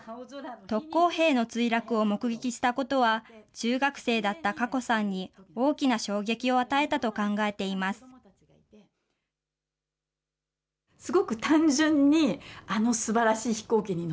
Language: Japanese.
特攻兵の墜落を目撃したことは、中学生だったかこさんに大きな衝撃を与えたと考えています。